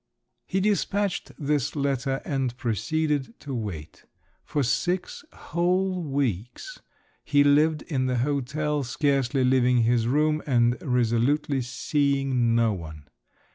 He despatched this letter, and proceeded to wait. For six whole weeks he lived in the hotel, scarcely leaving his room, and resolutely seeing no one.